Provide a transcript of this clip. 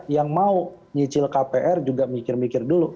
yang mau nyicil kpr juga mikir mikir dulu